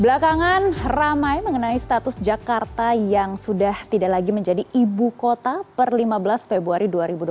belakangan ramai mengenai status jakarta yang sudah tidak lagi menjadi ibu kota per lima belas februari dua ribu dua puluh